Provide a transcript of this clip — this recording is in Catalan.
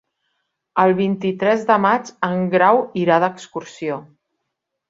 El vint-i-tres de maig en Grau irà d'excursió.